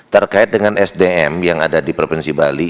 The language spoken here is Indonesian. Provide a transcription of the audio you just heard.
terkait dengan sdm yang ada di provinsi bali